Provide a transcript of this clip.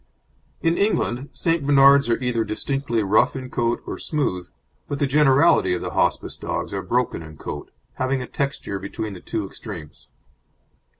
In England St. Bernards are either distinctly rough in coat or smooth, but the generality of the Hospice dogs are broken in coat, having a texture between the two extremes.